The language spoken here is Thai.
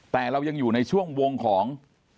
แต่เรายังอยู่ในช่วงวงของ